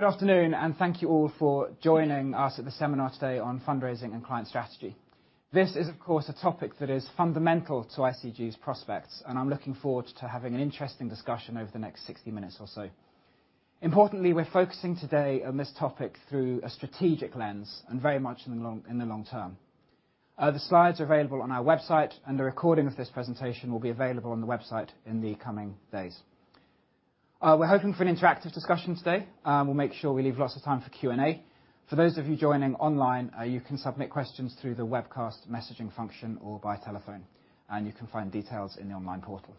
Good afternoon. Thank you all for joining us at the seminar today on fundraising and client strategy. This is, of course, a topic that is fundamental to ICG's prospects, and I'm looking forward to having an interesting discussion over the next 60 minutes or so. Importantly, we're focusing today on this topic through a strategic lens and very much in the long term. The slides are available on our website and a recording of this presentation will be available on the website in the coming days. We're hoping for an interactive discussion today. We'll make sure we leave lots of time for Q&A. For those of you joining online, you can submit questions through the webcast messaging function or by telephone, and you can find details in the online portal.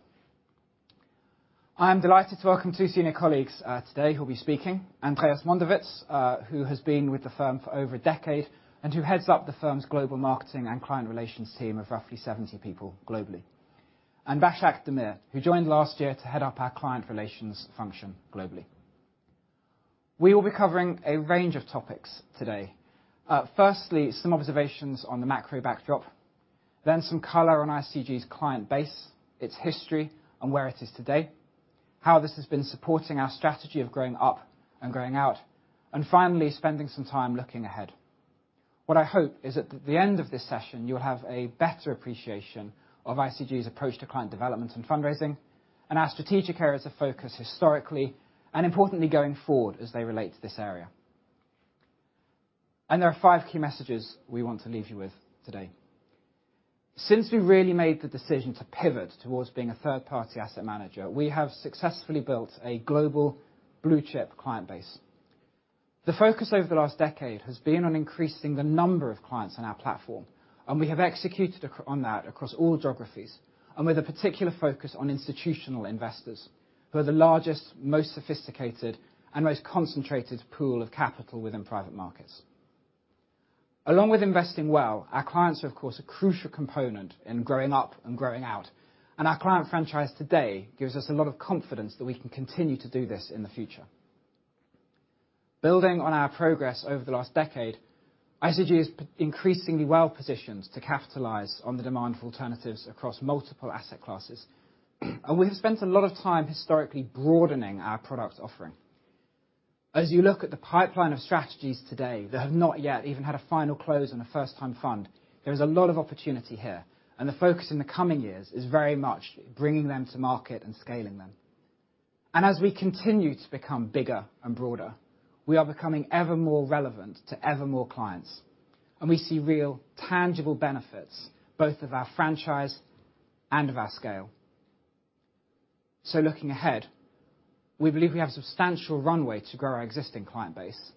I'm delighted to welcome two senior colleagues today who'll be speaking. Andreas Mondovits, who has been with the firm for over a decade, and who heads up the firm's global marketing and client relations team of roughly 70 people globally. Basak Demir, who joined last year to head up our client relations function globally. We will be covering a range of topics today. Firstly, some observations on the macro backdrop, then some color on ICG's client base, its history, and where it is today, how this has been supporting our strategy of growing up and growing out, and finally spending some time looking ahead. What I hope is at the end of this session, you'll have a better appreciation of ICG's approach to client development and fundraising, and our strategic areas of focus historically, and importantly, going forward as they relate to this area. There are five key messages we want to leave you with today. Since we really made the decision to pivot towards being a third-party asset manager, we have successfully built a global blue-chip client base. The focus over the last decade has been on increasing the number of clients on our platform, and we have executed on that across all geographies, and with a particular focus on institutional investors, who are the largest, most sophisticated, and most concentrated pool of capital within private markets. Along with investing well, our clients are, of course, a crucial component in growing up and growing out. Our client franchise today gives us a lot of confidence that we can continue to do this in the future. Building on our progress over the last decade, ICG is increasingly well-positioned to capitalize on the demand for alternatives across multiple asset classes. We have spent a lot of time historically broadening our product offering. As you look at the pipeline of strategies today that have not yet even had a final close on a first-time fund, there is a lot of opportunity here, and the focus in the coming years is very much bringing them to market and scaling them. As we continue to become bigger and broader, we are becoming ever more relevant to ever more clients, and we see real tangible benefits, both of our franchise and of our scale. Looking ahead, we believe we have substantial runway to grow our existing client base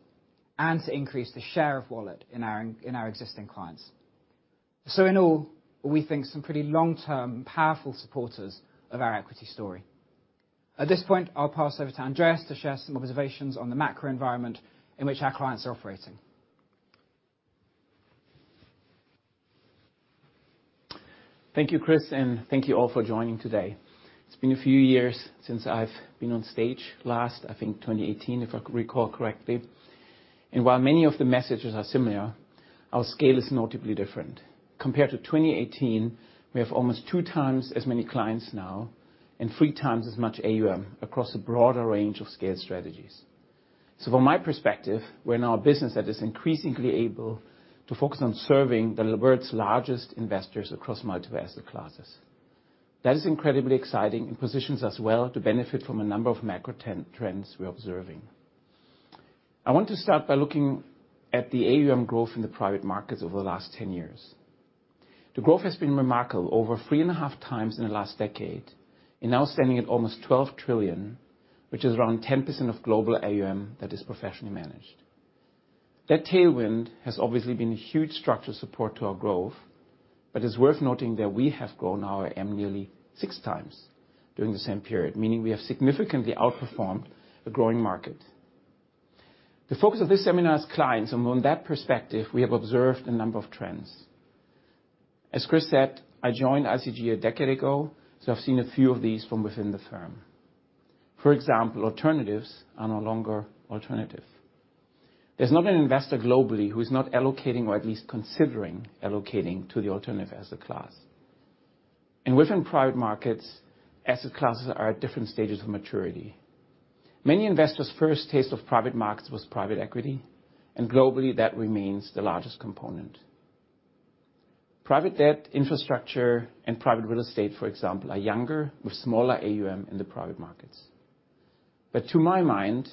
and to increase the share of wallet in our existing clients. In all, we think some pretty long-term powerful supporters of our equity story. At this point, I'll pass over to Andreas to share some observations on the macro environment in which our clients are operating. Thank you, Chris, and thank you all for joining today. It's been a few years since I've been on stage. Last, I think, 2018, if I recall correctly. While many of the messages are similar, our scale is notably different. Compared to 2018, we have almost 2x as many clients now and 3x as much AUM across a broader range of scale strategies. From my perspective, we're now a business that is increasingly able to focus on serving the world's largest investors across multiple asset classes. That is incredibly exciting and positions us well to benefit from a number of macro trends we're observing. I want to start by looking at the AUM growth in the private markets over the last 10 years. The growth has been remarkable, over 3.5x In the last decade, and now standing at almost $12 trillion, which is around 10% of global AUM that is professionally managed. That tailwind has obviously been a huge structural support to our growth, but it's worth noting that we have grown our AUM nearly six times during the same period, meaning we have significantly outperformed the growing market. The focus of this seminar is clients, and from that perspective, we have observed a number of trends. As Chris said, I joined ICG a decade ago, so I've seen a few of these from within the firm. For example, alternatives are no longer alternative. There's not an investor globally who is not allocating or at least considering allocating to the alternative asset class. Within private markets, asset classes are at different stages of maturity. Many investors' first taste of private markets was private equity, and globally, that remains the largest component. Private debt infrastructure and private real estate, for example, are younger with smaller AUM in the private markets. To my mind,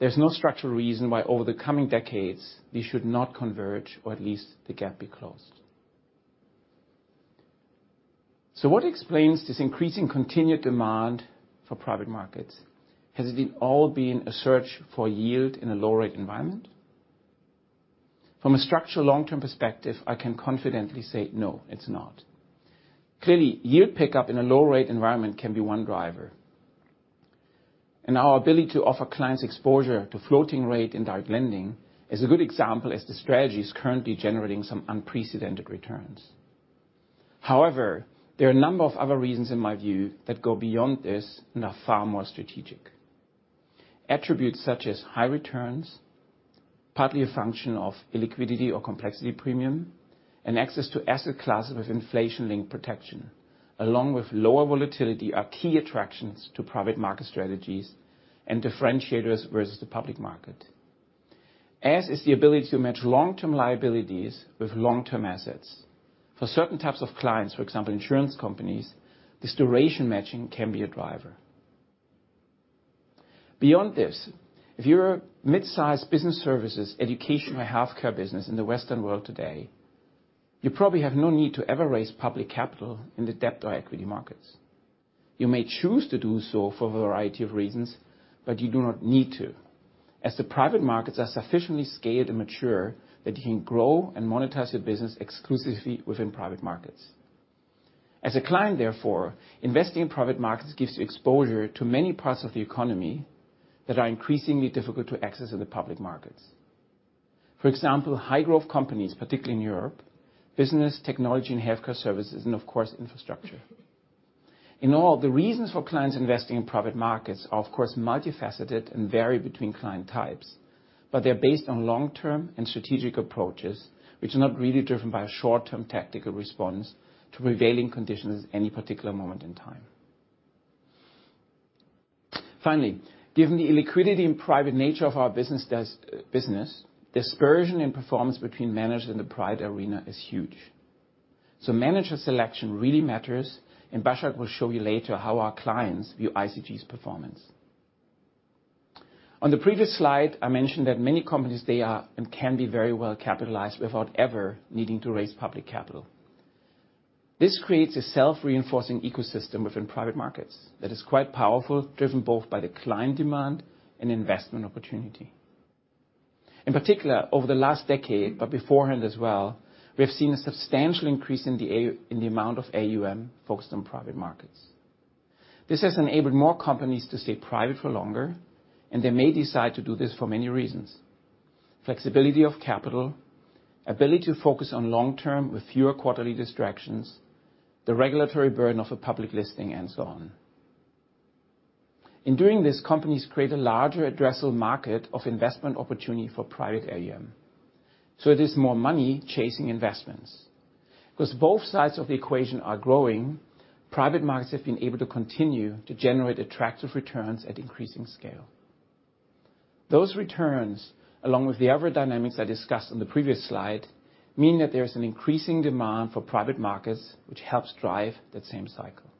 there's no structural reason why over the coming decades, these should not converge, or at least the gap be closed. What explains this increasing continued demand for private markets? Has it all been a search for yield in a low-rate environment? From a structural long-term perspective, I can confidently say no, it's not. Clearly, yield pickup in a low-rate environment can be one driver. Our ability to offer clients exposure to floating rate and direct lending is a good example as the strategy is currently generating some unprecedented returns. However, there are a number of other reasons, in my view, that go beyond this and are far more strategic. Attributes such as high returns. Partly a function of illiquidity or complexity premium and access to asset classes with inflation-linked protection, along with lower volatility are key attractions to private market strategies and differentiators versus the public market, as is the ability to match long-term liabilities with long-term assets. For certain types of clients, for example, insurance companies, this duration matching can be a driver. Beyond this, if you're a mid-sized business services, education, or healthcare business in the Western world today, you probably have no need to ever raise public capital in the debt or equity markets. You may choose to do so for a variety of reasons, but you do not need to, as the private markets are sufficiently scaled and mature that you can grow and monetize your business exclusively within private markets. As a client, therefore, investing in private markets gives you exposure to many parts of the economy that are increasingly difficult to access in the public markets. For example, high-growth companies, particularly in Europe, business technology and healthcare services, and of course, infrastructure. In all, the reasons for clients investing in private markets are, of course, multifaceted and vary between client types, but they're based on long-term and strategic approaches, which are not really driven by a short-term tactical response to prevailing conditions at any particular moment in time. Finally, given the illiquidity and private nature of our business, dispersion in performance between managers in the private arena is huge. Manager selection really matters, and Basak will show you later how our clients view ICG's performance. On the previous slide, I mentioned that many companies, they are and can be very well capitalized without ever needing to raise public capital. This creates a self-reinforcing ecosystem within private markets that is quite powerful, driven both by the client demand and investment opportunity. In particular, over the last decade, but beforehand as well, we have seen a substantial increase in the amount of AUM focused on private markets. This has enabled more companies to stay private for longer, and they may decide to do this for many reasons: flexibility of capital, ability to focus on long-term with fewer quarterly distractions, the regulatory burden of a public listing, and so on. In doing this, companies create a larger addressable market of investment opportunity for private AUM, there's more money chasing investments. Both sides of the equation are growing, private markets have been able to continue to generate attractive returns at increasing scale. Those returns, along with the other dynamics I discussed on the previous slide, mean that there's an increasing demand for private markets, which helps drive that same cycle.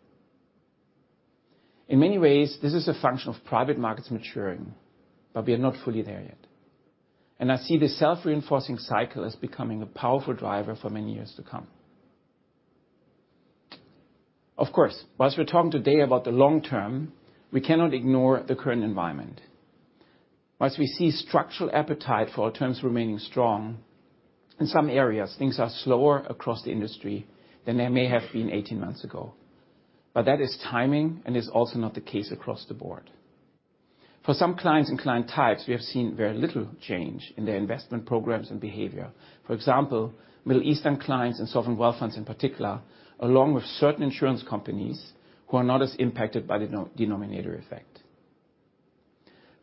In many ways, this is a function of private markets maturing, but we are not fully there yet, and I see this self-reinforcing cycle as becoming a powerful driver for many years to come. Of course, while we're talking today about the long term, we cannot ignore the current environment. We see structural appetite for alternatives remaining strong, in some areas, things are slower across the industry than they may have been 18 months ago. That is timing, and is also not the case across the board. For some clients and client types, we have seen very little change in their investment programs and behavior. For example, Middle Eastern clients and sovereign wealth funds in particular, along with certain insurance companies who are not as impacted by the denominator effect.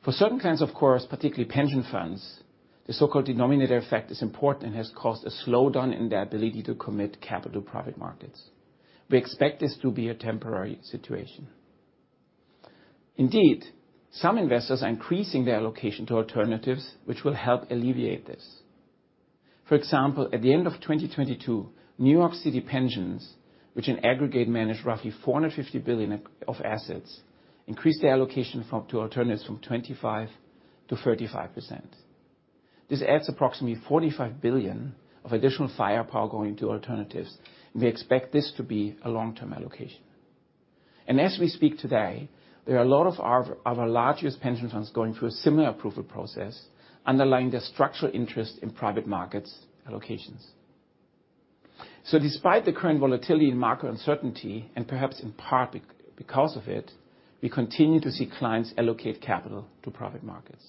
For certain clients, of course, particularly pension funds, the so-called denominator effect is important and has caused a slowdown in their ability to commit capital to private markets. We expect this to be a temporary situation. Indeed, some investors are increasing their allocation to alternatives which will help alleviate this. For example, at the end of 2022, New York City Retirement Systems, which in aggregate manage roughly $450 billion of assets, increased their allocation to alternatives from 25%-35%. This adds approximately $45 billion of additional firepower going to alternatives. We expect this to be a long-term allocation. As we speak today, there are a lot of our largest pension funds going through a similar approval process, underlying their structural interest in private markets allocations. Despite the current volatility and market uncertainty, and perhaps in part because of it, we continue to see clients allocate capital to private markets.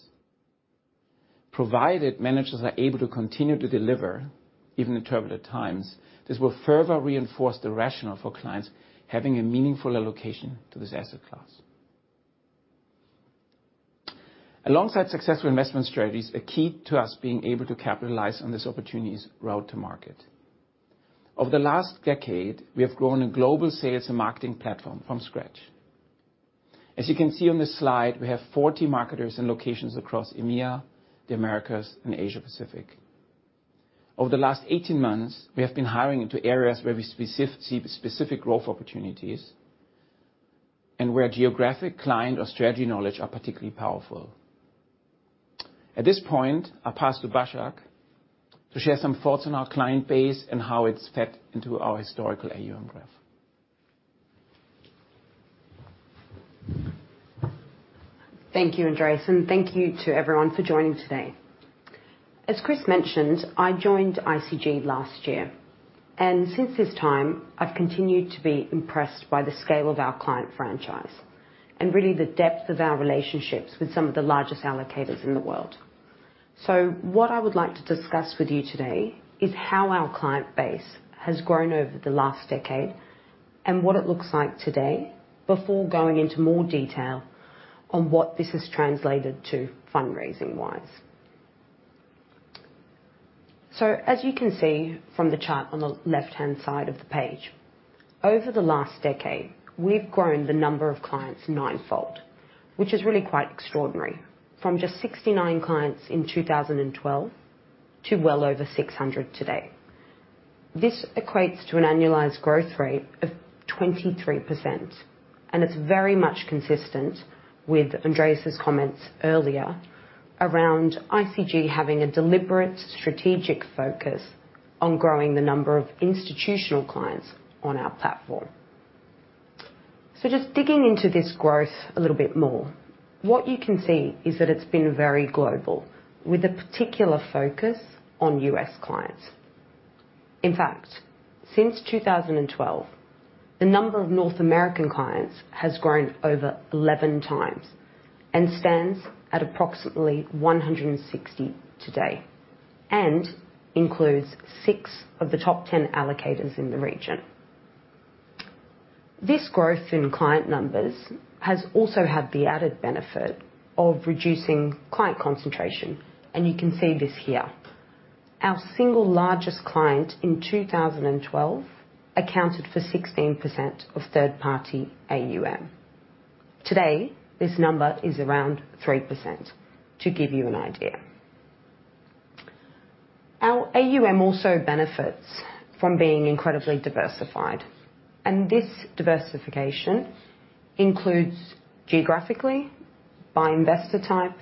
Provided managers are able to continue to deliver, even in turbulent times, this will further reinforce the rationale for clients having a meaningful allocation to this asset class. Alongside successful investment strategies, a key to us being able to capitalize on this opportunity is route to market. Over the last decade, we have grown a global sales and marketing platform from scratch. As you can see on this slide, we have 40 marketers in locations across EMEA, the Americas, and Asia Pacific. Over the last 18 months, we have been hiring into areas where we see specific growth opportunities and where geographic client or strategy knowledge are particularly powerful. At this point, I'll pass to Basak to share some thoughts on our client base and how it's fed into our historical AUM growth. Thank you, Andreas Mondovits, and thank you to everyone for joining today. As Chris mentioned, I joined ICG last year, and since this time, I've continued to be impressed by the scale of our client franchise and really the depth of our relationships with some of the largest allocators in the world. What I would like to discuss with you today is how our client base has grown over the last decade. What it looks like today before going into more detail on what this has translated to fundraising-wise. As you can see from the chart on the left-hand side of the page, over the last decade, we've grown the number of clients 9-fold, which is really quite extraordinary. From just 69 clients in 2012 to well over 600 today. This equates to an annualized growth rate of 23%. It's very much consistent with Andreas's comments earlier around ICG having a deliberate strategic focus on growing the number of institutional clients on our platform. Just digging into this growth a little bit more. What you can see is that it's been very global, with a particular focus on U.S. clients. In fact, since 2012, the number of North American clients has grown over 11 times and stands at approximately 160 today and includes six of the top 10 allocators in the region. This growth in client numbers has also had the added benefit of reducing client concentration. You can see this here. Our single largest client in 2012 accounted for 16% of third-party AUM. Today, this number is around 3%, to give you an idea. Our AUM also benefits from being incredibly diversified, this diversification includes geographically, by investor type,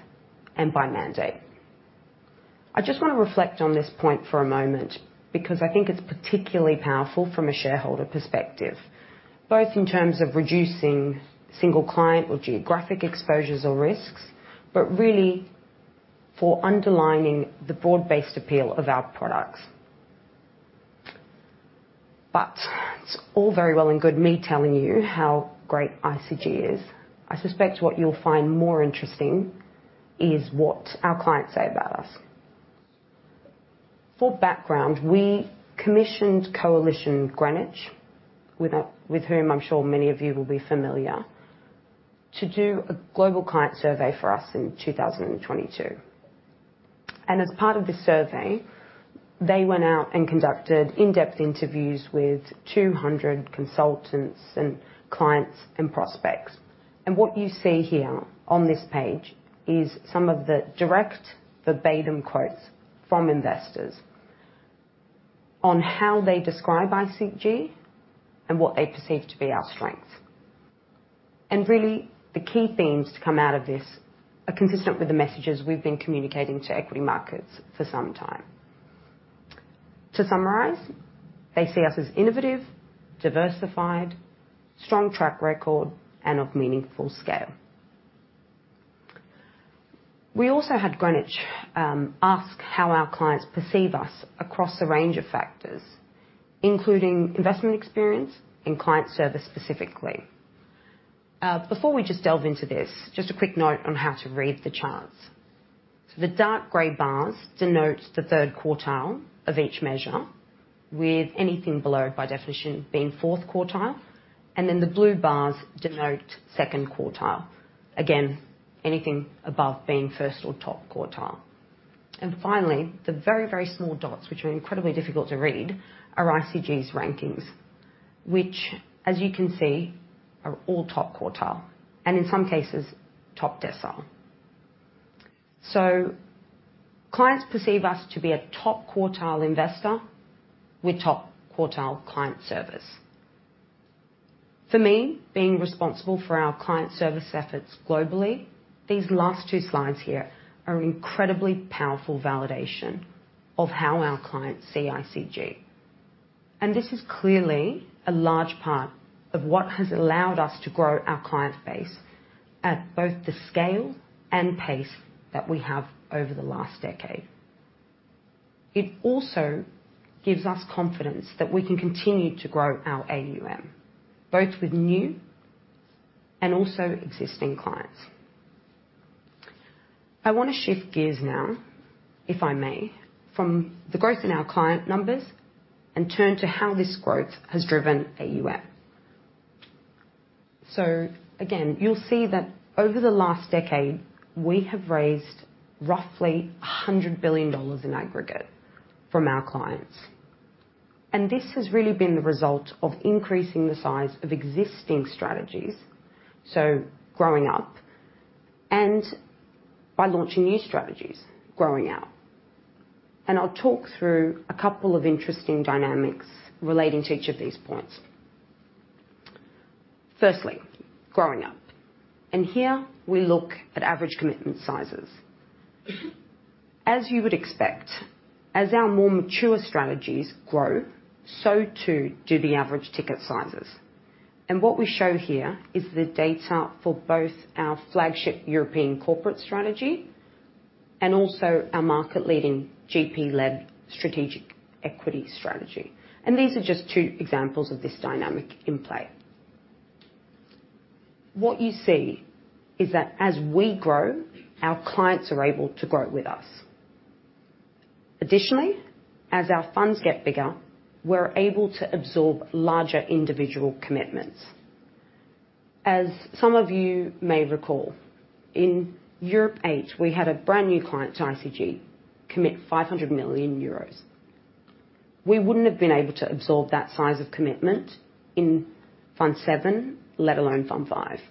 and by mandate. I just wanna reflect on this point for a moment because I think it's particularly powerful from a shareholder perspective, both in terms of reducing single client or geographic exposures or risks, really for underlining the broad-based appeal of our products. It's all very well and good me telling you how great ICG is. I suspect what you'll find more interesting is what our clients say about us. For background, we commissioned Coalition Greenwich, with whom I'm sure many of you will be familiar, to do a global client survey for us in 2022. As part of the survey, they went out and conducted in-depth interviews with 200 consultants and clients and prospects. What you see here on this page is some of the direct verbatim quotes from investors on how they describe ICG and what they perceive to be our strengths. Really, the key themes to come out of this are consistent with the messages we've been communicating to equity markets for some time. To summarize, they see us as innovative, diversified, strong track record, and of meaningful scale. We also had Greenwich ask how our clients perceive us across a range of factors, including investment experience and client service specifically. Before we just delve into this, just a quick note on how to read the charts. The dark gray bars denote the Q3 of each measure, with anything below, by definition, being Q4, and then the blue bars denote Q2. Again, anything above being Q1. Finally, the very, very small dots, which are incredibly difficult to read, are ICG's rankings, which, as you can see, are all top quartile and, in some cases, top decile. Clients perceive us to be a top quartile investor with top quartile client service. For me, being responsible for our client service efforts globally, these last two slides here are an incredibly powerful validation of how our clients see ICG. This is clearly a large part of what has allowed us to grow our client base at both the scale and pace that we have over the last decade. It also gives us confidence that we can continue to grow our AUM, both with new and also existing clients. I wanna shift gears now, if I may, from the growth in our client numbers and turn to how this growth has driven AUM. Again, you'll see that over the last decade, we have raised roughly $100 billion in aggregate from our clients. This has really been the result of increasing the size of existing strategies, growing up, and by launching new strategies, growing out. I'll talk through a couple of interesting dynamics relating to each of these points. Firstly, growing up. Here, we look at average commitment sizes. As you would expect, as our more mature strategies grow, so too do the average ticket sizes. What we show here is the data for both our flagship European corporate strategy and also our market-leading GP-led Strategic Equity strategy. These are just two examples of this dynamic in play. What you see is that as we grow, our clients are able to grow with us. Additionally, as our funds get bigger, we're able to absorb larger individual commitments. As some of you may recall, in ICG Europe Fund VIII, we had a brand new client to ICG commit 500 million euros. We wouldn't have been able to absorb that size of commitment in ICG Europe Fund VII, let alone ICG Europe Fund V.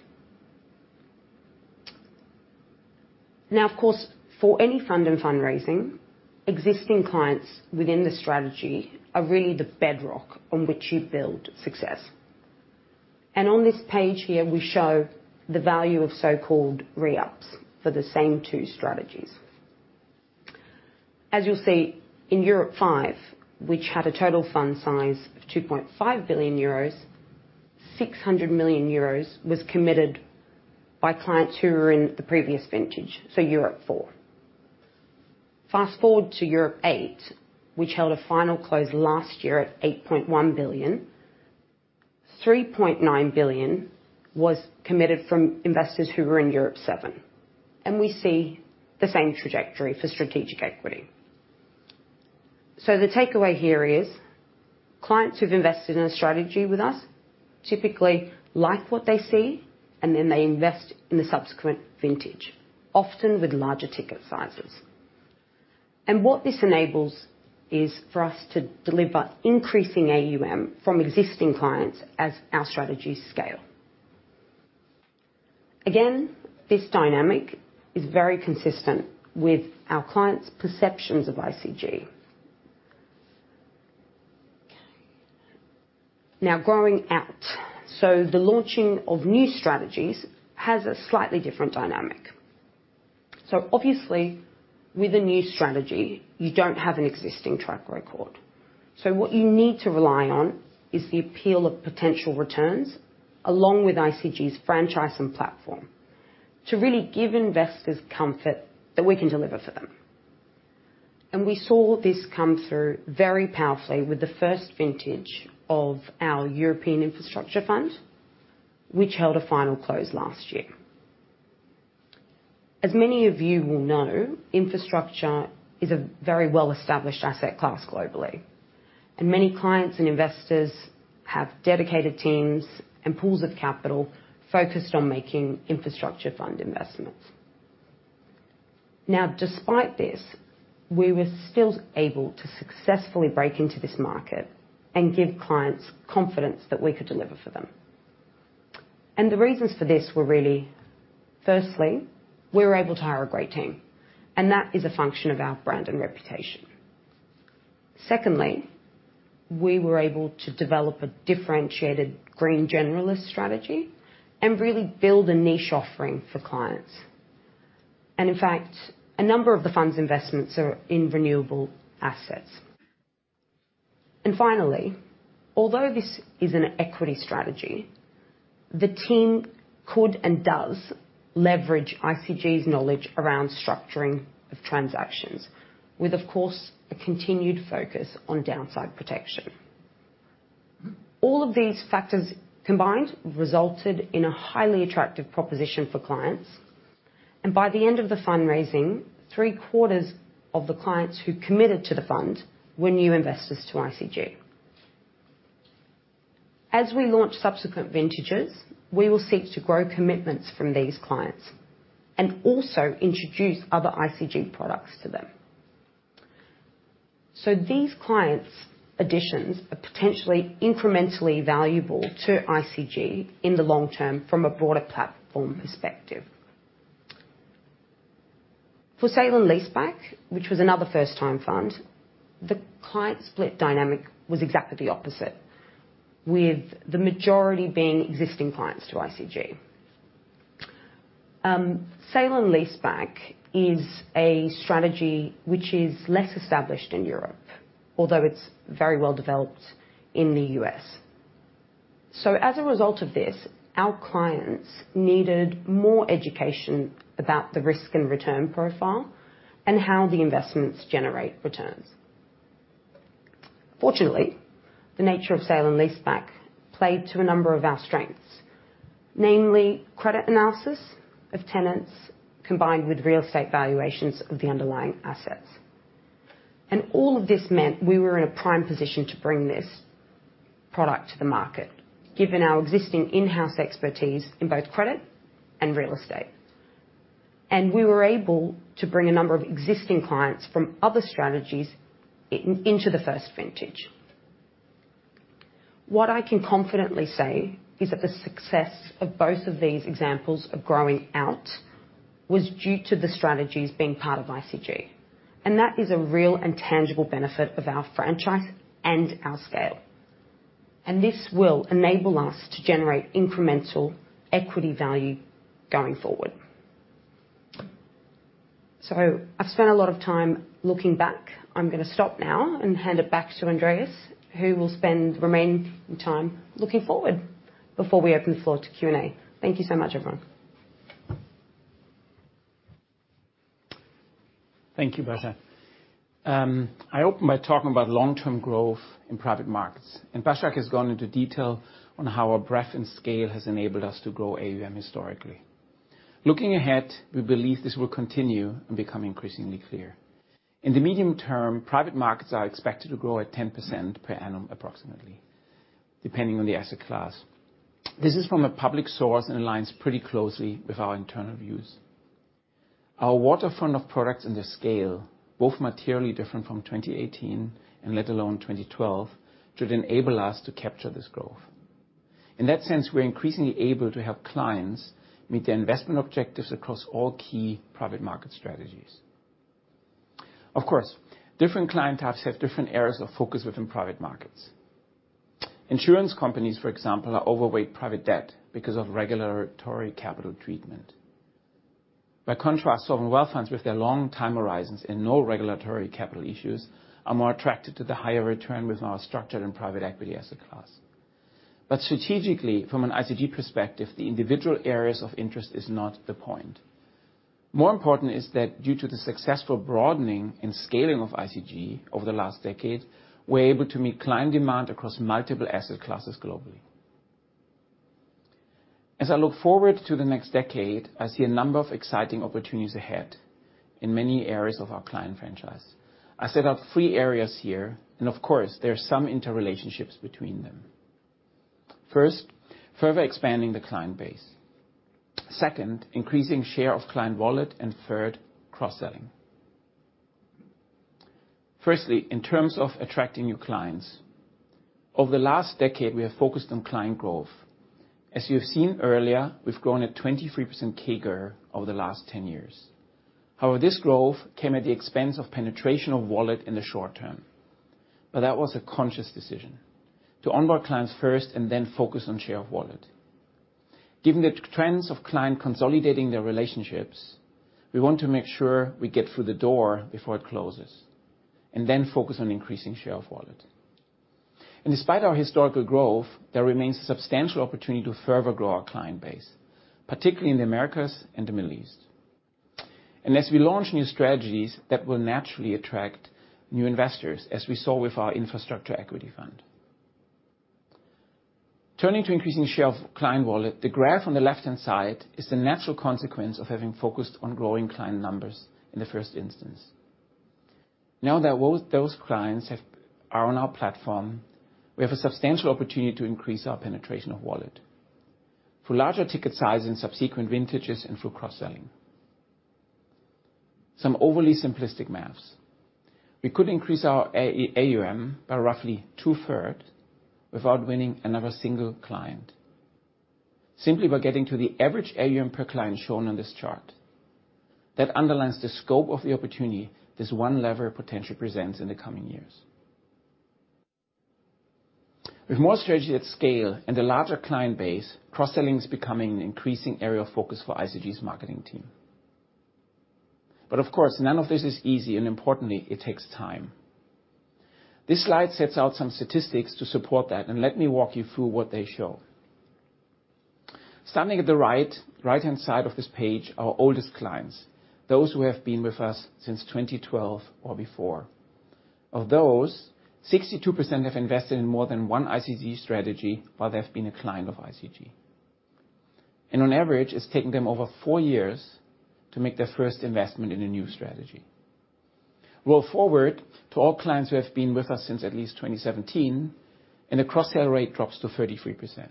Now, of course, for any fund and fundraising, existing clients within the strategy are really the bedrock on which you build success. On this page here, we show the value of so-called re-ups for the same two strategies. As you'll see in ICG Europe Fund V, which had a total fund size of 2.5 billion euros, 600 million euros was committed by clients who were in the previous vintage, so ICG Europe Fund IV. Fast-forward to ICG Europe Fund VIII, which held a final close last year at 8.1 billion. 3.9 billion was committed from investors who were in ICG Europe Fund VII. We see the same trajectory for Strategic Equity. The takeaway here is clients who've invested in a strategy with us typically like what they see. They invest in the subsequent vintage, often with larger ticket sizes. What this enables is for us to deliver increasing AUM from existing clients as our strategies scale. Again, this dynamic is very consistent with our clients' perceptions of ICG. Now growing out. The launching of new strategies has a slightly different dynamic. Obviously, with a new strategy, you don't have an existing track record. What you need to rely on is the appeal of potential returns, along with ICG's franchise and platform, to really give investors comfort that we can deliver for them. We saw this come through very powerfully with the first vintage of our European Infrastructure fund, which held a final close last year. Many of you will know, infrastructure is a very well-established asset class globally, and many clients and investors have dedicated teams and pools of capital focused on making infrastructure fund investments. Despite this, we were still able to successfully break into this market and give clients confidence that we could deliver for them. The reasons for this were really, firstly, we were able to hire a great team, and that is a function of our brand and reputation. Secondly, we were able to develop a differentiated green generalist strategy and really build a niche offering for clients. In fact, a number of the fund's investments are in renewable assets. Finally, although this is an equity strategy, the team could and does leverage ICG's knowledge around structuring of transactions with, of course, a continued focus on downside protection. All of these factors combined resulted in a highly attractive proposition for clients. By the end of the fundraising, three-quarters of the clients who committed to the fund were new investors to ICG. As we launch subsequent vintages, we will seek to grow commitments from these clients and also introduce other ICG products to them. These clients additions are potentially incrementally valuable to ICG in the long term from a broader platform perspective. For Sale and Leaseback, which was another first-time fund, the client split dynamic was exactly the opposite, with the majority being existing clients to ICG. Sale and Leaseback is a strategy which is less established in Europe, although it's very well developed in the U.S. As a result of this, our clients needed more education about the risk and return profile and how the investments generate returns. Fortunately, the nature of Sale and Leaseback played to a number of our strengths, namely credit analysis of tenants, combined with real estate valuations of the underlying assets. All of this meant we were in a prime position to bring this product to the market, given our existing in-house expertise in both credit and real estate. We were able to bring a number of existing clients from other strategies into the first vintage. What I can confidently say is that the success of both of these examples of growing out was due to the strategies being part of ICG, and that is a real and tangible benefit of our franchise and our scale. This will enable us to generate incremental equity value going forward. I've spent a lot of time looking back. I'm gonna stop now and hand it back to Andreas, who will spend the remaining time looking forward before we open the floor to Q&A. Thank you so much, everyone. Thank you, Basak. I open by talking about long-term growth in private markets, Basak has gone into detail on how our breadth and scale has enabled us to grow AUM historically. Looking ahead, we believe this will continue and become increasingly clear. In the medium term, private markets are expected to grow at 10% per annum approximately, depending on the asset class. This is from a public source and aligns pretty closely with our internal views. Our waterfront of products and the scale, both materially different from 2018 and let alone 2012, should enable us to capture this growth. In that sense, we're increasingly able to help clients meet their investment objectives across all key private market strategies. Different client types have different areas of focus within private markets. Insurance companies, for example, are overweight private debt because of regulatory capital treatment. By contrast, sovereign wealth funds with their long time horizons and no regulatory capital issues are more attracted to the higher return with our structured and private equity asset class. Strategically, from an ICG perspective, the individual areas of interest is not the point. More important is that due to the successful broadening and scaling of ICG over the last decade, we're able to meet client demand across multiple asset classes globally. As I look forward to the next decade, I see a number of exciting opportunities ahead in many areas of our client franchise. I set out three areas here, and of course, there are some interrelationships between them. First, further expanding the client base. Second, increasing share of client wallet. Third, cross-selling. Firstly, in terms of attracting new clients, over the last decade, we have focused on client growth. As you have seen earlier, we've grown at 23% CAGR over the last 10 years. However, this growth came at the expense of penetration of wallet in the short term. That was a conscious decision: to onboard clients first and then focus on share of wallet. Given the trends of client consolidating their relationships, we want to make sure we get through the door before it closes, and then focus on increasing share of wallet. Despite our historical growth, there remains substantial opportunity to further grow our client base, particularly in the Americas and the Middle East. As we launch new strategies, that will naturally attract new investors, as we saw with our infrastructure equity fund. Turning to increasing share of client wallet, the graph on the left-hand side is the natural consequence of having focused on growing client numbers in the first instance. Now that those clients are on our platform, we have a substantial opportunity to increase our penetration of wallet for larger ticket size and subsequent vintages and through cross-selling. Some overly simplistic math. We could increase our AUM by roughly 2/3 without winning another single client, simply by getting to the average AUM per client shown on this chart. That underlines the scope of the opportunity this one lever potentially presents in the coming years. With more strategy at scale and a larger client base, cross-selling is becoming an increasing area of focus for ICG's marketing team. Of course, none of this is easy, and importantly, it takes time. This slide sets out some statistics to support that, let me walk you through what they show. Starting at the right-hand side of this page, our oldest clients, those who have been with us since 2012 or before. Of those, 62% have invested in more than one ICG strategy while they've been a client of ICG. On average, it's taken them over four years to make their first investment in a new strategy. Roll forward to all clients who have been with us since at least 2017, the cross-sell rate drops to 33%.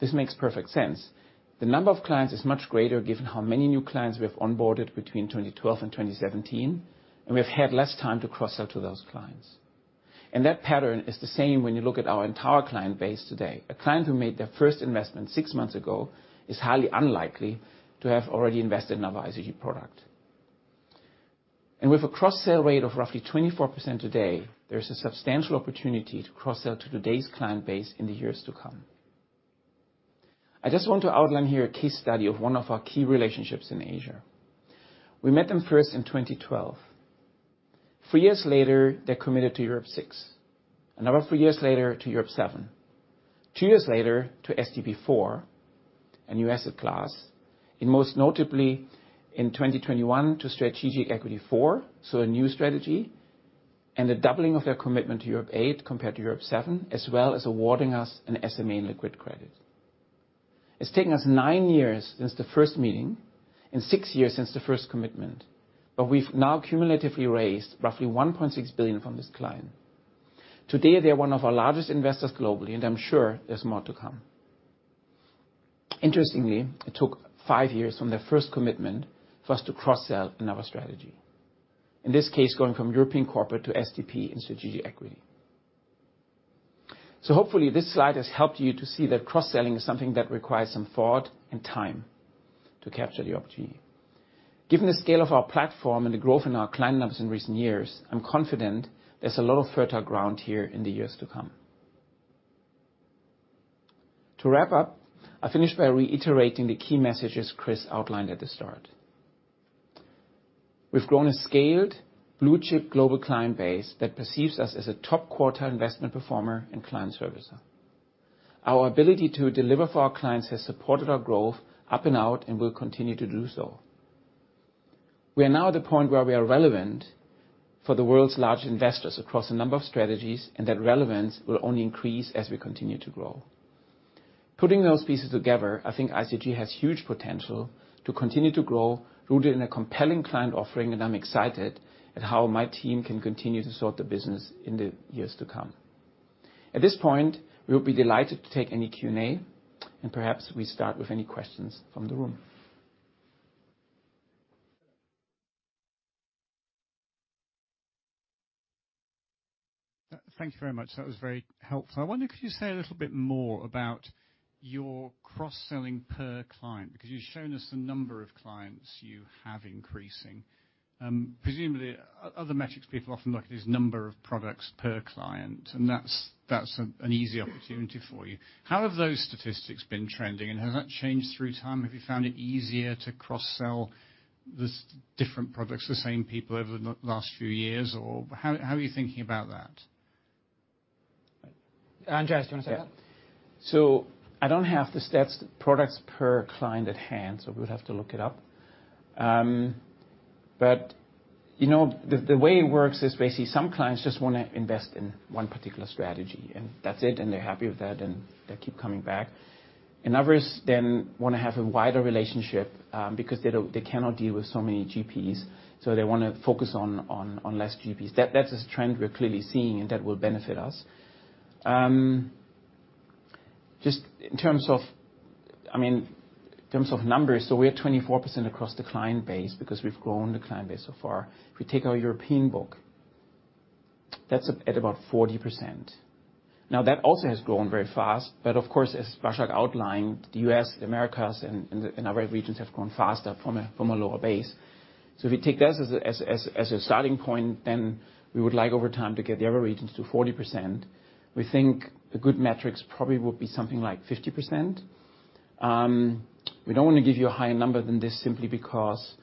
This makes perfect sense. The number of clients is much greater given how many new clients we have onboarded between 2012 and 2017, and we've had less time to cross-sell to those clients. That pattern is the same when you look at our entire client base today. A client who made their first investment six months ago is highly unlikely to have already invested in another ICG product. With a cross-sell rate of roughly 24% today, there's a substantial opportunity to cross-sell to today's client base in the years to come. I just want to outline here a case study of one of our key relationships in Asia. We met them first in 2012. Three years later, they committed to Europe six. Another three years later to Europe seven. Two years later to SDP four, a new asset class. In most notably in 2021 to strategic equity four, so a new strategy, and the doubling of their commitment to Europe eight compared to Europe seven, as well as awarding us an SMA in liquid credit. It's taken us nine years since the first meeting and six years since the first commitment, but we've now cumulatively raised roughly 1.6 billion from this client. Today, they are one of our largest investors globally, and I'm sure there's more to come. Interestingly, it took five years from their first commitment for us to cross-sell another strategy. In this case, going from European corporate to SDP in Strategic Equity. Hopefully this slide has helped you to see that cross-selling is something that requires some thought and time to capture the opportunity. Given the scale of our platform and the growth in our client numbers in recent years, I'm confident there's a lot of fertile ground here in the years to come. To wrap up, I finish by reiterating the key messages Chris outlined at the start. We've grown a scaled blue-chip global client base that perceives us as a top quarter investment performer and client servicer. Our ability to deliver for our clients has supported our growth up and out, and will continue to do so. We are now at the point where we are relevant for the world's large investors across a number of strategies. That relevance will only increase as we continue to grow. Putting those pieces together, I think ICG has huge potential to continue to grow, rooted in a compelling client offering. I'm excited at how my team can continue to sort the business in the years to come. At this point, we would be delighted to take any Q&A. Perhaps we start with any questions from the room. Thank you very much. That was very helpful. I wonder, could you say a little bit more about your cross-selling per client? Because you've shown us the number of clients you have increasing. Presumably, other metrics people often look at is number of products per client, and that's an easy opportunity for you. How have those statistics been trending, and has that changed through time? Have you found it easier to cross-sell different products to the same people over the last few years, or how are you thinking about that? Andreas, do you wanna take that? Yeah. I don't have the stats, products per client at hand, so we would have to look it up. you know, the way it works is basically some clients just wanna invest in one particular strategy, and that's it, and they're happy with that, and they keep coming back. Others then wanna have a wider relationship because they cannot deal with so many GPs, so they wanna focus on less GPs. That's a trend we're clearly seeing, and that will benefit us. Just in terms of, I mean, in terms of numbers, we're at 24% across the client base because we've grown the client base so far. If we take our European book, that's at about 40%. That also has grown very fast, but of course, as Bashak outlined, the U.S., the Americas, and other regions have grown faster from a lower base. If we take this as a starting point, then we would like, over time, to get the other regions to 40%. We think a good metrics probably would be something like 50%. We don't wanna give you a higher number than this simply because,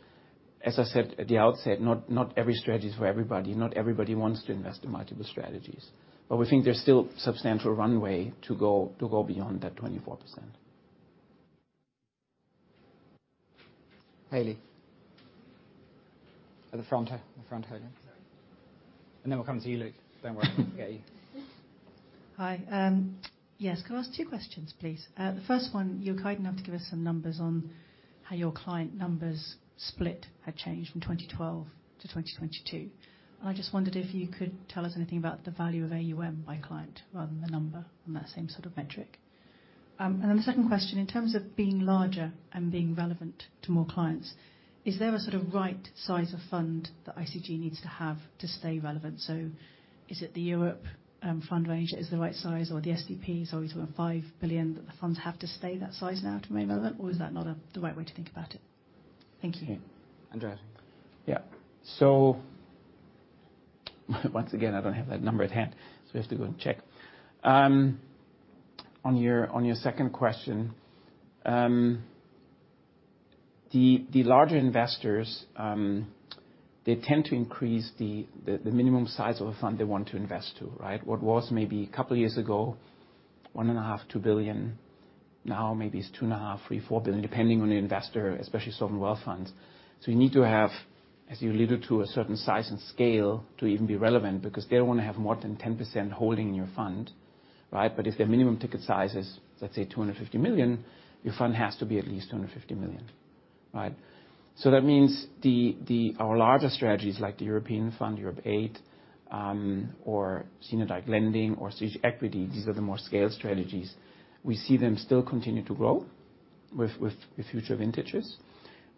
as I said at the outset, not every strategy is for everybody. Not everybody wants to invest in multiple strategies. We think there's still substantial runway to go beyond that 24%. Haley. At the front. The front, Haley. Then we'll come to you, Luke. Don't worry. Won't forget you. Hi. Yes. Can I ask two questions please? The first one, you were kind enough to give us some numbers on how your client numbers split had changed from 2012 to 2022. I just wondered if you could tell us anything about the value of AUM by client rather than the number on that same sort of metric. The second question, in terms of being larger and being relevant to more clients, is there a sort of right size of fund that ICG needs to have to stay relevant? Is it the Europe fund range is the right size, or the SDP is always around 5 billion, that the funds have to stay that size now to remain relevant, or is that not the right way to think about it? Thank you. Okay. Andreas. Yeah. Once again, I don't have that number at hand, so we have to go and check. On your second question, the larger investors, they tend to increase the minimum size of a fund they want to invest to, right? What was maybe a couple years ago 1.5 billion-2 billion, now maybe is 2.5 billion-4 billion, depending on the investor, especially sovereign wealth funds. You need to have, as you lead it to a certain size and scale, to even be relevant because they don't want to have more than 10% holding in your fund, right? If their minimum ticket size is, let's say 250 million, your fund has to be at least 250 million. Right? That means the... our larger strategies like ICG Europe Fund VIII, or Senior Debt Partners or Strategic Equity, these are the more scaled strategies. We see them still continue to grow with future vintages.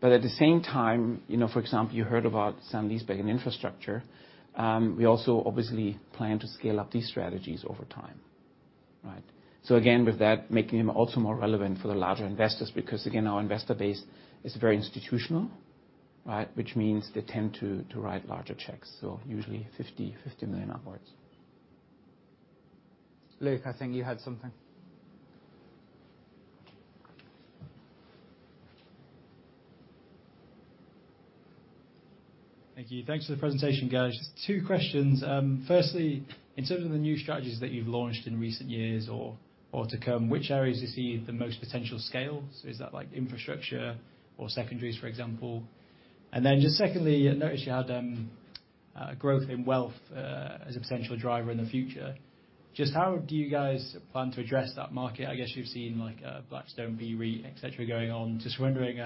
At the same time, you know, for example, you heard about Sale and Leaseback and Infrastructure, we also obviously plan to scale up these strategies over time, right? Again, with that, making them also more relevant for the larger investors, because again, our investor base is very institutional, right? Which means they tend to write larger checks, so usually 50 million upwards. Luke, I think you had something. Thank you. Thanks for the presentation, guys. Just two questions. firstly, in terms of the new strategies that you've launched in recent years or to come, which areas you see the most potential scale? Is that like infrastructure or secondaries, for example? just secondly, I noticed you had growth in wealth as a potential driver in the future. Just how do you guys plan to address that market? I guess you've seen like Blackstone BREIT, et cetera, going on. Just wondering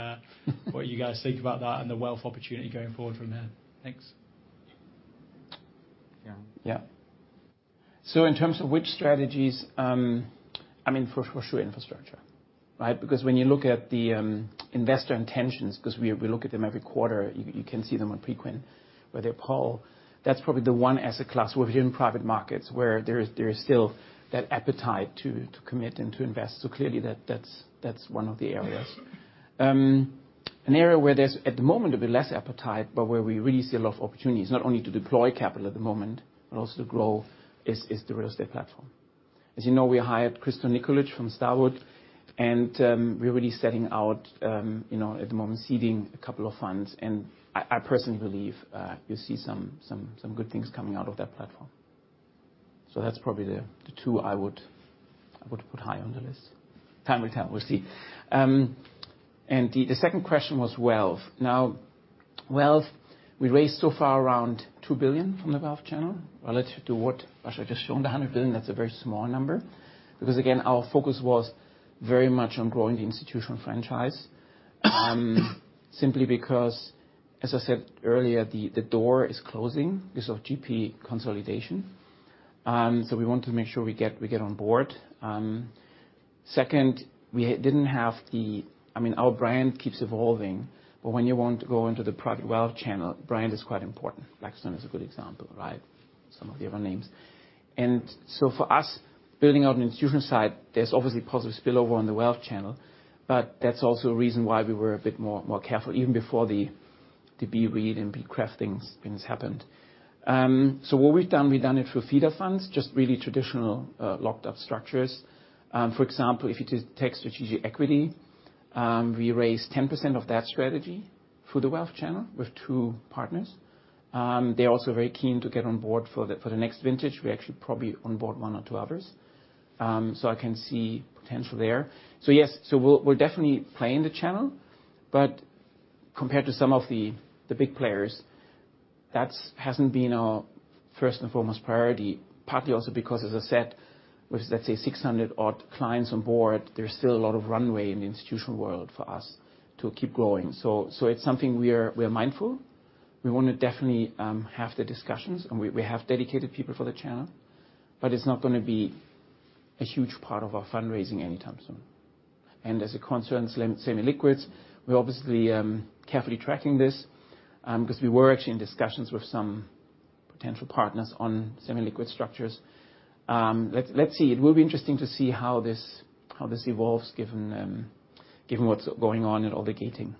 what you guys think about that and the wealth opportunity going forward from there. Thanks. Yeah. Yeah. In terms of which strategies, I mean, for sure infrastructure, right? Because when you look at the investor intentions, 'cause we look at them every quarter. You can see them on Preqin, where they poll. That's probably the one asset class within private markets where there is still that appetite to commit and to invest. Clearly that's one of the areas. An area where there's, at the moment, a bit less appetite, but where we really see a lot of opportunities, not only to deploy capital at the moment, but also to grow, is the real estate platform. As you know, we hired Krysto Nikolic from Starwood. We're really setting out, you know, at the moment seeding a couple of funds. I personally believe, you'll see some good things coming out of that platform. That's probably the two I would put high on the list. Time will tell. We'll see. The second question was wealth. Now, wealth, we raised so far around 2 billion from the wealth channel. Relative to what I should've just shown, 100 billion, that's a very small number. Again, our focus was very much on growing the institutional franchise. Simply because, as I said earlier, the door is closing because of GP consolidation. We want to make sure we get on board. Second, we didn't have the I mean, our brand keeps evolving, but when you want to go into the private wealth channel, brand is quite important. Blackstone is a good example, right? Some of the other names. For us, building out an institution side, there's obviously positive spillover on the wealth channel, but that's also a reason why we were a bit more careful, even before the BREIT and BCRED things happened. What we've done, we've done it through feeder funds, just really traditional locked up structures. For example, if you take Strategic Equity, we raise 10% of that strategy through the wealth channel with two partners. They're also very keen to get on board for the next vintage. We actually probably onboard one or two others. I can see potential there. Yes. We'll definitely play in the channel. Compared to some of the big players, that hasn't been our first and foremost priority. Partly also because, as I said, with let's say 600 odd clients on board, there's still a lot of runway in the institutional world for us to keep growing. It's something we are mindful. We wanna definitely have the discussions, and we have dedicated people for the channel, but it's not gonna be a huge part of our fundraising anytime soon. As it concerns semi liquids, we're obviously carefully tracking this, 'cause we were actually in discussions with some potential partners on semi-liquid structures. let's see. It will be interesting to see how this, how this evolves given what's going on in all the gating.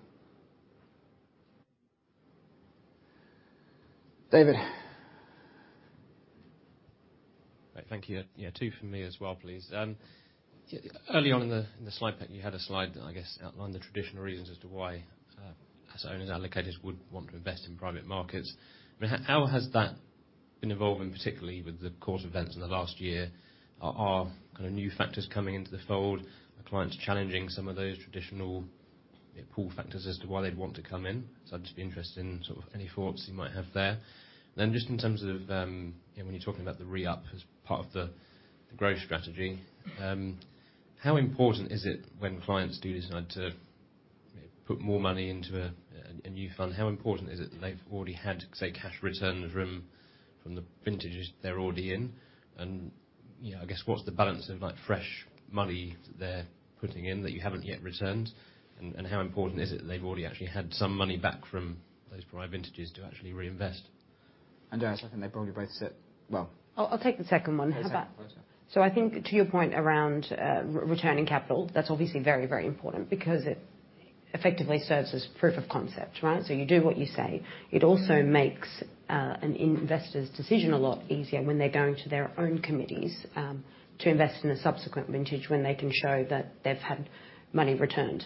David. Thank you. Yeah, two for me as well, please. Early on in the slide deck, you had a slide that I guess outlined the traditional reasons as to why us owners, allocators would want to invest in private markets. I mean, how has that been evolving, particularly with the course of events in the last year? Are kind of new factors coming into the fold? Are clients challenging some of those traditional, you know, pull factors as to why they'd want to come in? I'd just be interested in sort of any thoughts you might have there. Just in terms of, you know, when you're talking about the re-up as part of the growth strategy, how important is it when clients do decide to put more money into a new fund? How important is it that they've already had, say, cash returns from the vintages they're already in? You know, I guess, what's the balance of, like, fresh money that they're putting in that you haven't yet returned? How important is it that they've already actually had some money back from those prior vintages to actually reinvest? Darius, I think they probably both sit well. I'll take the second one. Okay. I think to your point around re-returning capital, that's obviously very, very important because it effectively serves as proof of concept, right? You do what you say. It also makes an investor's decision a lot easier when they're going to their own committees to invest in a subsequent vintage when they can show that they've had money returned.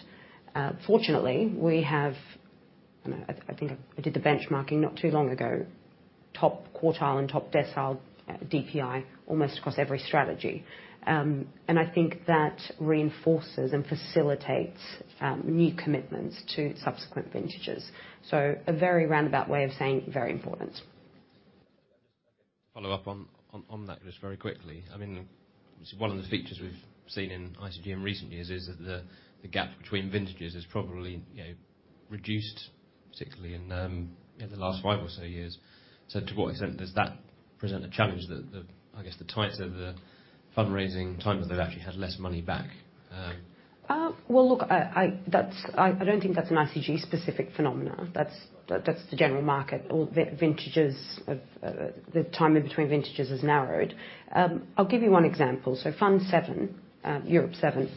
Fortunately, we have. I think I did the benchmarking not too long ago. Top quartile and top decile DPI almost across every strategy. And I think that reinforces and facilitates new commitments to subsequent vintages. A very roundabout way of saying very important. Follow up on that just very quickly. I mean, obviously, one of the features we've seen in ICG in recent years is that the gap between vintages has probably, you know, reduced, particularly in, you know, the last five or so years. To what extent does that present a challenge that the, I guess, the tighter the fundraising timelines, they've actually had less money back? Well, look, I don't think that's an ICG specific phenomena. That's the general market or vintages of the timing between vintages has narrowed. I'll give you one example. Fund VII, Europe Seven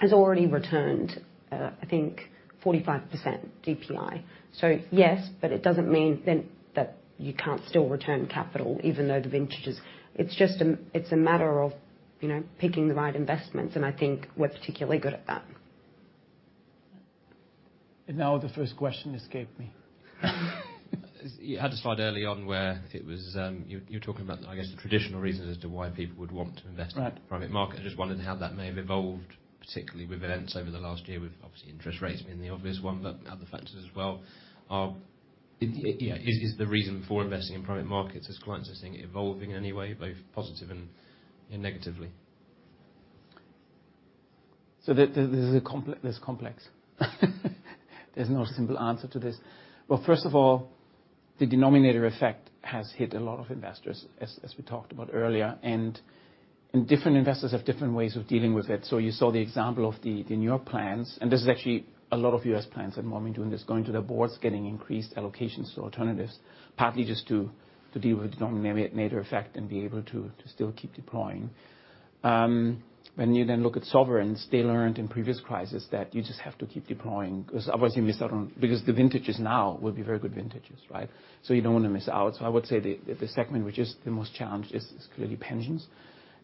has already returned, I think 45% DPI. Yes, but it doesn't mean then that you can't still return capital, even though the vintages... It's a matter of, you know, picking the right investments, and I think we're particularly good at that. Now the first question escaped me. You had a slide early on where it was, you were talking about, I guess, the traditional reasons as to why people would want to invest. Right. in private market. I just wondered how that may have evolved, particularly with events over the last year, with obviously interest rates being the obvious one, but other factors as well. Yeah, is the reason for investing in private markets as clients are seeing it evolving in any way, both positive and negatively? This complex. There's no simple answer to this. Well, first of all, the Denominator effect has hit a lot of investors, as we talked about earlier, and different investors have different ways of dealing with it. You saw the example of the New York plans, and this is actually a lot of U.S. plans at the moment doing this, going to the boards, getting increased allocations to alternatives, partly just to deal with Denominator effect and be able to still keep deploying. When you look at sovereigns, they learned in previous crisis that you just have to keep deploying 'cause otherwise you miss out. The vintages now will be very good vintages, right? You don't wanna miss out. I would say the segment which is the most challenged is clearly pensions.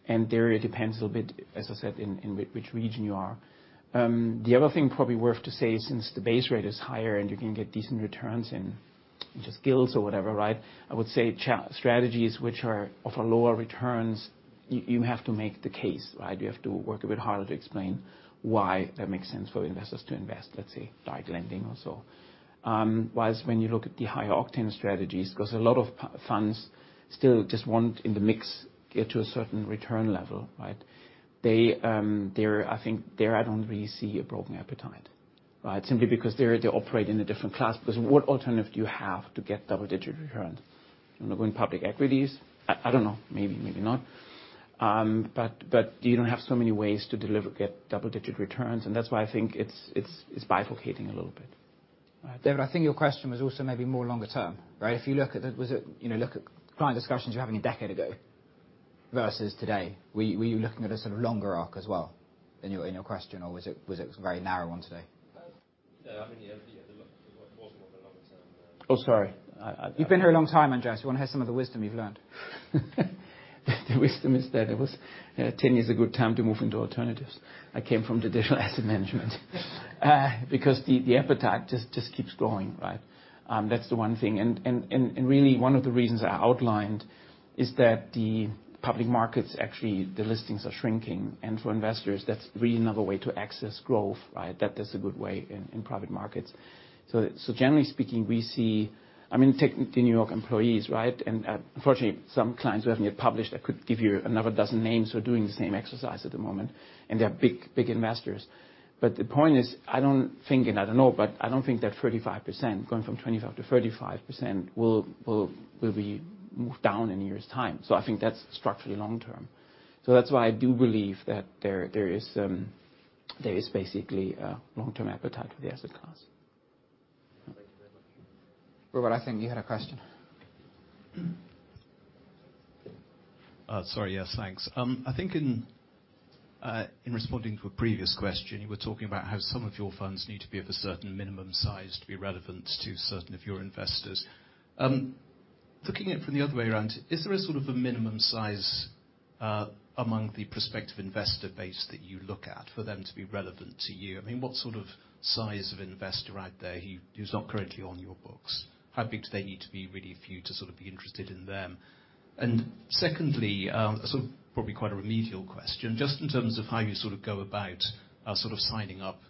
And there, it depends a little bit, as I said, in which region you are. The other thing probably worth to say, since the base rate is higher and you can get decent returns in just guilds or whatever, right? I would say strategies which are offer lower returns, you have to make the case, right? You have to work a bit harder to explain why that makes sense for investors to invest, let's say, direct lending or so. Whereas when you look at the higher octane strategies, 'cause a lot of funds still just want in the mix get to a certain return level, right? They're, I think there I don't really see a broken appetite, right? Simply because they operate in a different class. What alternative do you have to get double-digit returns? You know, going public equities? I don't know, maybe not. You don't have so many ways to get double-digit returns, and that's why I think it's bifurcating a little bit. All right. David, I think your question was also maybe more longer term, right? Was it, you know, look at client discussions you were having a decade ago versus today, were you looking at a sort of longer arc as well in your question, or was it a very narrow one today? No, I mean, yeah, look it was more the longer term. Oh, sorry. You've been here a long time, Andreas. We wanna hear some of the wisdom you've learned. The wisdom is that it was 10 years a good time to move into alternatives. I came from traditional asset management. Because the appetite just keeps growing, right? That's the one thing. Really one of the reasons I outlined is that the public markets, actually the listings are shrinking. For investors that's really another way to access growth, right? That is a good way in private markets. Generally speaking, we see... I mean, take the New York employees, right? Unfortunately some clients we haven't yet published. I could give you another dozen names who are doing the same exercise at the moment, and they're big investors. The point is, I don't think, and I don't know, but I don't think that 35%, going from 25%-35% will be down in a year's time. I think that's structurally long term. That's why I do believe that there is basically a long-term appetite for the asset class. Thank you very much. Robert, I think you had a question. Sorry. Yes, thanks. I think in responding to a previous question, you were talking about how some of your funds need to be of a certain minimum size to be relevant to certain of your investors. Looking at it from the other way around, is there a sort of a minimum size among the prospective investor base that you look at for them to be relevant to you? I mean, what sort of size of investor out there who's not currently on your books, how big do they need to be really for you to sort of be interested in them? Secondly, sort of probably quite a remedial question, just in terms of how you sort of go about sort of signing up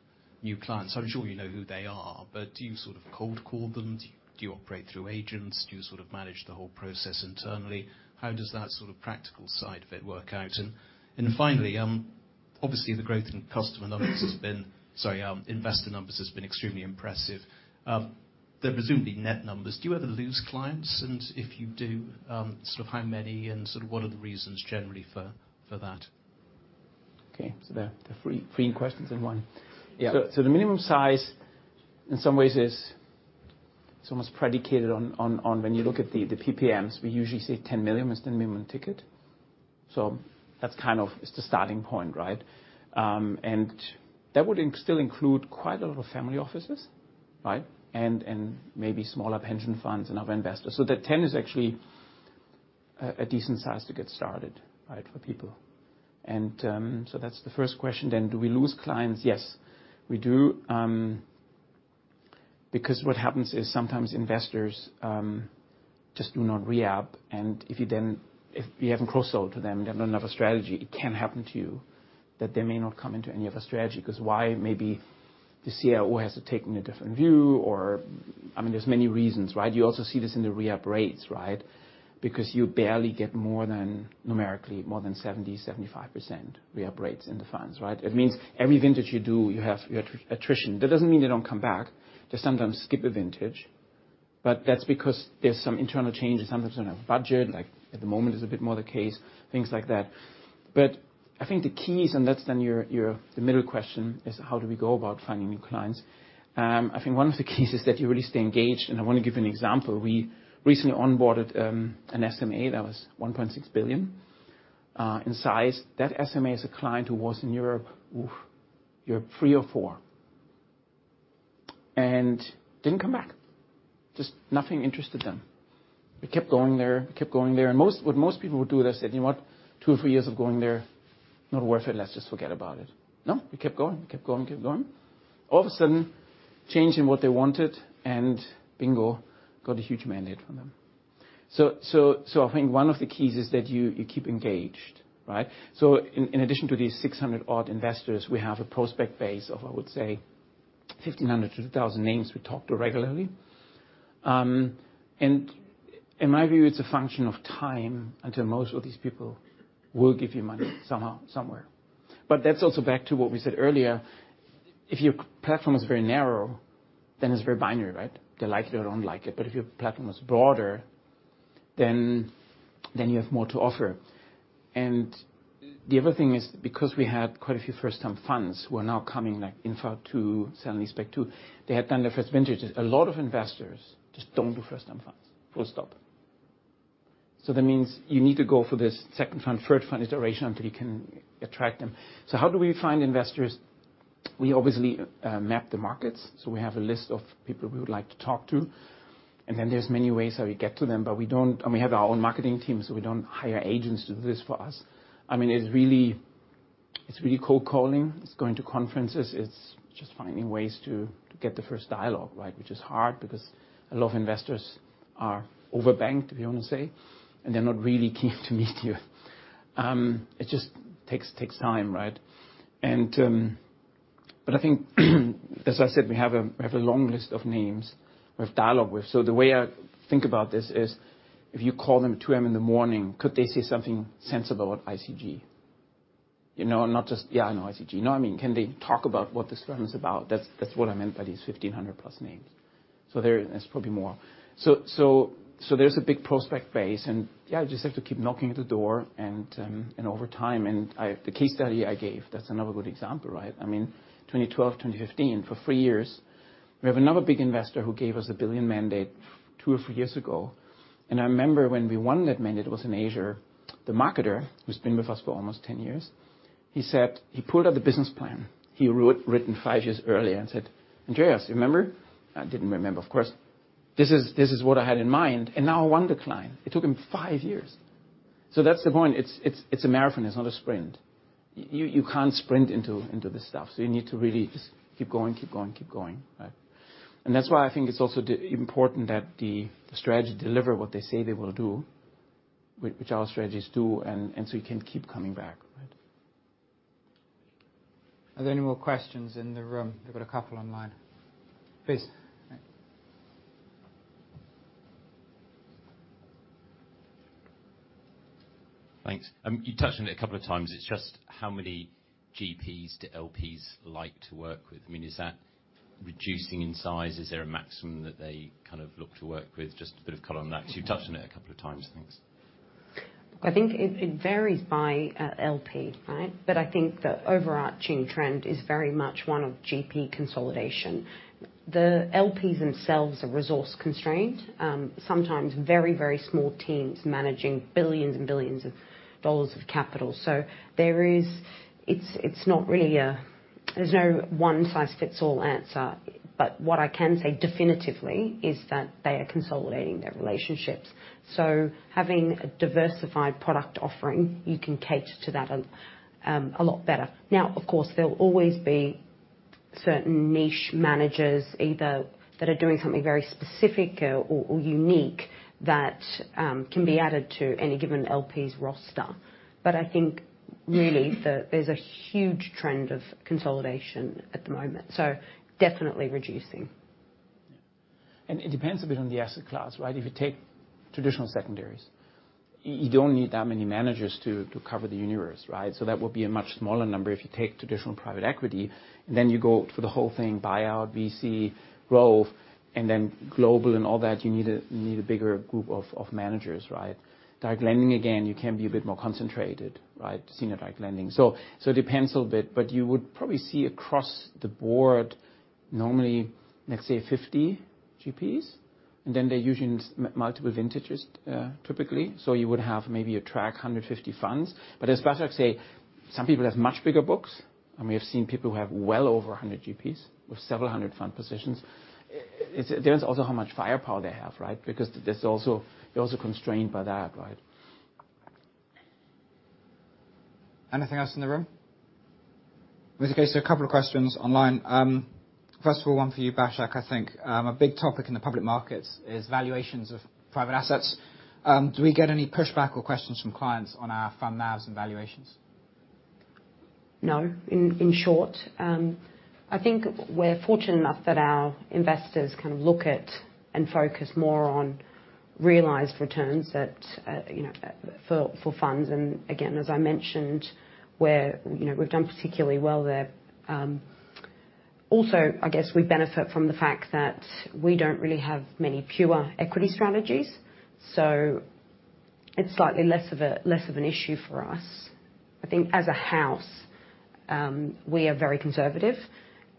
new clients. I'm sure you know who they are, do you sort of cold call them? Do you operate through agents? Do you sort of manage the whole process internally? How does that sort of practical side of it work out? Finally, obviously the growth in customer numbers has been. Sorry, investor numbers has been extremely impressive. They're presumably net numbers. Do you ever lose clients? If you do, sort of how many and sort of what are the reasons generally for that? Okay. they're three questions in one. Yeah. The minimum size in some ways is almost predicated on when you look at the PPMs, we usually say 10 million is the minimum ticket. That's kind of, it's the starting point, right? That would still include quite a lot of family offices, right? Maybe smaller pension funds and other investors. That 10 is actually a decent size to get started, right, for people. That's the first question. Do we lose clients? Yes, we do. Because what happens is sometimes investors just do not re-up. If you haven't cross-sold to them, you have another strategy, it can happen to you that they may not come into any other strategy, 'cause why? Maybe the CEO has taken a different view or, I mean, there's many reasons, right? You also see this in the re-up rates, right? You barely get more than, numerically more than 70%-75% re-up rates in the funds, right? It means every vintage you do, you have your attrition. That doesn't mean they don't come back. They sometimes skip a vintage, that's because there's some internal changes, sometimes don't have budget, like at the moment is a bit more the case, things like that. I think the keys, and that's then the middle question is how do we go about finding new clients? I think one of the keys is that you really stay engaged, and I wanna give you an example. We recently onboarded an SMA that was 1.6 billion in size. That SMA is a client who was in Europe, year three or four and didn't come back. Just nothing interested them. We kept going there, kept going there. Most... What most people would do, they said, "You know what? two or three years of going there, not worth it. Let's just forget about it." No, we kept going, kept going, kept going. All of a sudden, change in what they wanted and bingo, got a huge mandate from them. I think one of the keys is that you keep engaged, right? In addition to these 600 odd investors, we have a prospect base of, I would say 1,500-2,000 names we talk to regularly. In my view, it's a function of time until most of these people will give you money somehow, somewhere. That's also back to what we said earlier. If your platform is very narrow, then it's very binary, right? They like it or don't like it. If your platform is broader, then you have more to offer. The other thing is because we had quite a few first time funds who are now coming, like Infra two, Seven Spec two, they had done their first vintages. A lot of investors just don't do first time funds, full stop. That means you need to go for this second fund, third fund iteration until you can attract them. How do we find investors? We obviously map the markets, we have a list of people we would like to talk to, then there's many ways how we get to them. We have our own marketing team, we don't hire agents to do this for us. I mean, it's really cold calling. It's going to conferences. It's just finding ways to get the first dialogue, right? Which is hard, because a lot of investors are over-banked, if you wanna say, and they're not really keen to meet you. It just takes time, right? I think, as I said, we have a long list of names we have dialogue with. The way I think about this is, if you call them at 2:00 A.M. in the morning, could they say something sensible about ICG? You know, not just, "Yeah, I know ICG." No, I mean, can they talk about what this firm is about? That's, that's what I meant by these 1,500+ names. It's probably more. There's a big prospect base, and, yeah, you just have to keep knocking at the door and over time. The case study I gave, that's another good example, right? I mean, 2012, 2015, for three years. We have another big investor who gave us a 1 billion mandate two or three years ago, and I remember when we won that mandate, it was in Asia. The marketer, who's been with us for almost 10 years, he pulled out the business plan he written five years earlier and said, "Andreas, remember?" I didn't remember, of course. "This is what I had in mind, and now I won the client." It took him five years. That's the point. It's a marathon, it's not a sprint. You can't sprint into this stuff, you need to really just keep going, right? That's why I think it's also important that the strategy deliver what they say they will do, which our strategies do, and so you can keep coming back, right? Are there any more questions in the room? We've got a couple online. Please. Thanks. You touched on it a couple of times, it's just how many GPs do LPs like to work with? I mean, is that reducing in size? Is there a maximum that they kind of look to work with? Just a bit of color on that, because you've touched on it a couple of times. Thanks. I think it varies by LP, right? I think the overarching trend is very much one of GP consolidation. The LPs themselves are resource constrained. Sometimes very small teams managing billions and billions of dollars of capital. It's no one size fits all answer. What I can say definitively is that they are consolidating their relationships. Having a diversified product offering, you can cater to that a lot better. Now, of course, there'll always be certain niche managers either that are doing something very specific or unique that can be added to any given LPs roster. I think really there's a huge trend of consolidation at the moment. Definitely reducing. It depends a bit on the asset class, right? If you take traditional secondaries, you don't need that many managers to cover the universe, right? That would be a much smaller number. If you take traditional private equity, and then you go through the whole thing, buyout, BC, growth, and then global and all that, you need a bigger group of managers, right? Direct lending, again, you can be a bit more concentrated, right? Senior direct lending. It depends a little bit, but you would probably see across the board, normally, let's say 50 GPs, and then they're usually in multiple vintages, typically. You would have maybe a track 150 funds. As Basak said, some people have much bigger books, and we have seen people who have well over 100 GPs with several hundred fund positions. It's... Depends also how much firepower they have, right? There's also... You're also constrained by that, right? Anything else in the room? In which case, there are a couple of questions online. First of all, one for you, Basak, I think. A big topic in the public markets is valuations of private assets. Do we get any pushback or questions from clients on our fund NAVs and valuations? No, in short. I think we're fortunate enough that our investors can look at and focus more on realized returns that, you know, for funds, and again, as I mentioned, where, you know, we've done particularly well there. I guess we benefit from the fact that we don't really have many pure equity strategies, so it's slightly less of an issue for us. I think as a house, we are very conservative,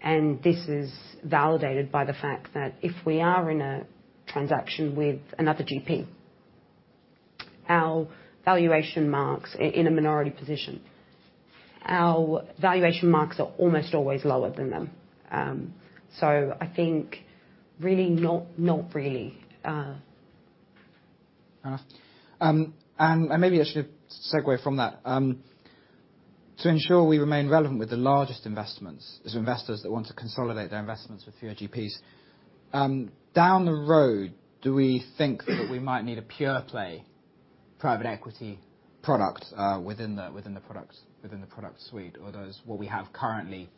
and this is validated by the fact that if we are in a transaction with another GP, our valuation marks. In a minority position, our valuation marks are almost always lower than them. I think really not really. Fair enough. Maybe I should segue from that. To ensure we remain relevant with the largest investments, as investors that want to consolidate their investments with fewer GPs, down the road, do we think that we might need a pure play private equity product within the product suite? Does what we have currently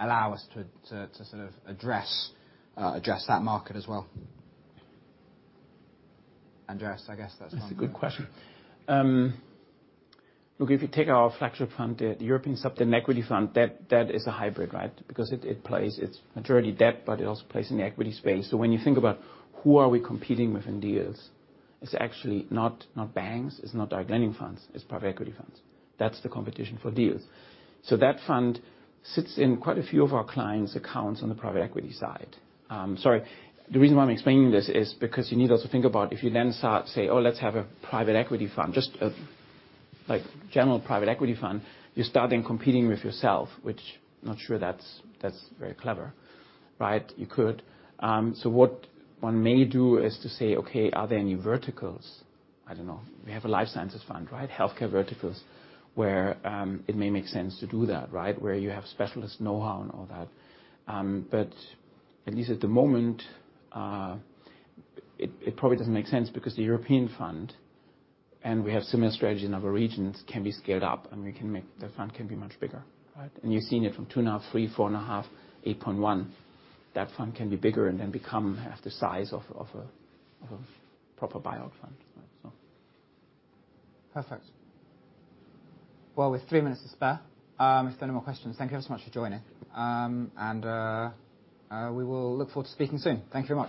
allow us to sort of address that market as well? Andreas, I guess that's one for you. That's a good question. Look, if you take our flagship fund, the European Subordinated Equity Fund, that is a hybrid, right? It's majority debt, but it also plays in the equity space. When you think about who are we competing with in deals, it's actually not banks, it's not direct lending funds, it's private equity funds. That's the competition for deals. That fund sits in quite a few of our clients' accounts on the private equity side. Sorry. The reason why I'm explaining this is because you need also to think about if you then start say, "Oh, let's have a private equity fund," just a, like, general private equity fund. You're starting competing with yourself, which I'm not sure that's very clever. Right? You could. What one may do is to say, "Okay, are there any verticals?" I don't know. We have a life sciences fund, right? Healthcare verticals, where it may make sense to do that, right? Where you have specialist know-how and all that. At least at the moment, it probably doesn't make sense because the European fund, and we have similar strategies in other regions, can be scaled up, and the fund can be much bigger. Right? You've seen it from 2.5 billion, 3 billion, 4.5 billion, 8.1 billion. That fund can be bigger and then become half the size of a proper buyout fund. Right? Perfect. Well, with three minutes to spare, if there are no more questions, thank you ever so much for joining. We will look forward to speaking soon. Thank you very much.